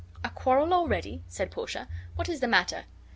"A quarrel already?" said Portia. "What is the matter?"